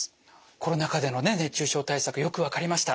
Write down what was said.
コロナ禍での熱中症対策よく分かりました。